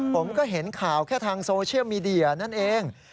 ผมก็เห็นข่าวแค่ทางโซเชียลมีเดียนั่นเอง